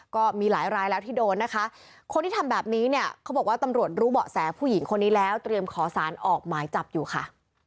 ก็มีหลายรายแล้วที่โดนนะคะคนที่ทำแบบนี้เนี่ยเขาบอกว่าตำรวจรู้เบาะแสผู้หญิงคนนี้แล้วเตรียมขอสารออกหมายจับอยู่ค่ะ